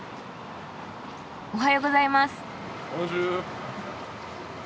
おはようございます。